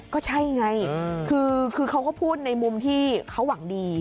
ก็ใช่ไงคือเขาก็พูดในมุมที่เขาหวังดี